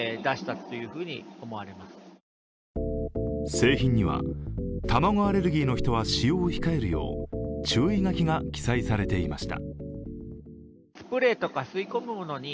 製品には卵アレルギーの人は使用を控えるよう注意書きが記載されていました。